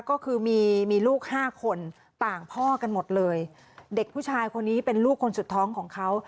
ก็คือมีมีลูกห้าคนต่างพ่อกันหมดเลยเด็กผู้ชายคนนี้เป็นลูกคนสุดท้องของเขา